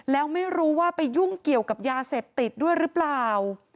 แล้วไม่รู้ว่าไปยุ่งเกี่ยวกับยาเสพติดด้วยหรือเปล่า